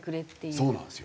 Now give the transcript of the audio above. そうなんですよ。